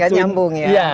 ya nyambung ya